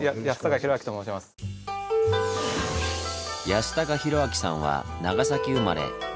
安高啓明さんは長崎生まれ。